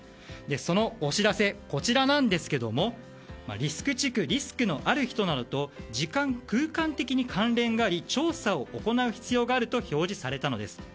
そのお知らせ、リスク地区リスクのある人などと時間・空間的に関連があり調査を行う必要があると表示されたのです。